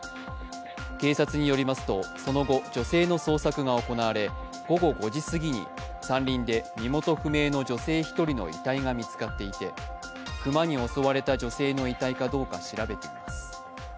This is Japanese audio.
警察によりますと、その後、女性の捜索が行われ、午後５時すぎに山林で身元不明の女性１人の遺体が見つかっていて、熊に襲われた女性の遺体かどうか調べています。